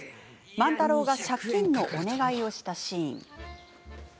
万太郎が借金のお願いをしたシーン。